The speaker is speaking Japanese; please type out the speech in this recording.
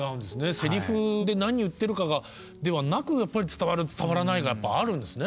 せりふで何言ってるかではなくやっぱり伝わる伝わらないがあるんですね。